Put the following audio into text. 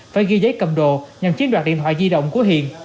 phải ghi giấy cầm đồ nhằm chiếm đoạt điện thoại di động của hiền